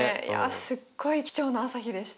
すっごい貴重な朝日でした。